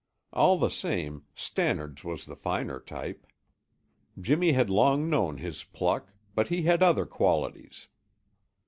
All the same, Stannard's was the finer type. Jimmy had long known his pluck, but he had other qualities.